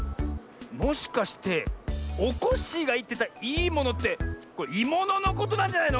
もしかしておこっしぃがいってた「いいもの」って「いもの」のことなんじゃないの？